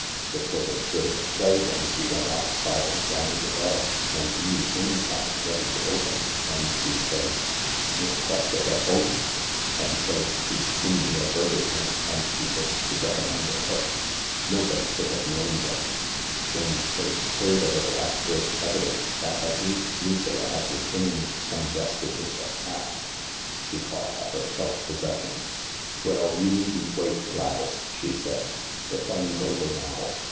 It was as good as a play when she went outside and rang the bell, and me inside, ready to open. And she says :"' Miss Quested at home ? 'and says she'd seen the adver tisement and she wished to recommend a cook. Nobody couldn't have known her." Jane's face cleared a little at this evidence that at least Lucilla had retained some vestiges of tact* She caught at her self possession. " Well, you needn't wait, Gladys," she said. " The fun's over now.